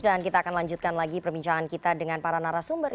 dan kita akan lanjutkan lagi perbincangan kita dengan para narasumber